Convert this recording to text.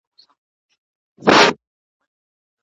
د کلیوالي ژوند ښکلا په همدې کې ده.